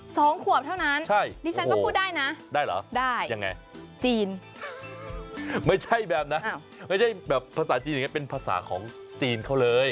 สองขวบเท่านั้นดิฉันก็พูดได้นะได้จีนไม่ใช่แบบนั้นไม่ใช่แบบภาษาจีนเป็นภาษาของจีนเขาเลย